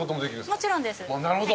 もちろんです。